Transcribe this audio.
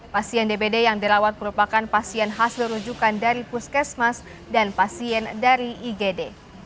pasien dbd yang dirawat merupakan pasien hasil rujukan dari puskesmas dan pasien dari igd